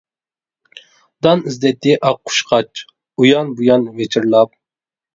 دان ئىزدەيتتى ئاق قۇشقاچ، ئۇيان-بۇيان ۋىچىرلاپ.